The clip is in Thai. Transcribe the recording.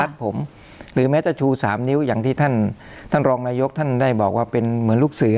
หรือแม้จะชูสามนิ้วอย่างที่ท่านท่านรองนายกท่านได้บอกว่าเป็นเหมือนลูกเสือ